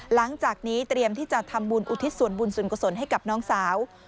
หลังจากนี้เตรียมที่จะทำบุญอุทิศส่วนบุญส่วนกุศลให้กับน้องสาว